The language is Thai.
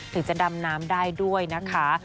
ถึงจะดำน้ำได้ด้วยนะคะ